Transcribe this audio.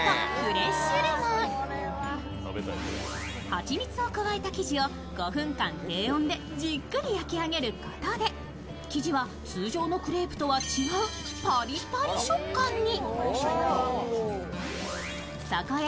はちみつを加えた生地を５分間低温でじっくり焼き上げることで、生地は通常のクレープとは違うパリパリ触感に。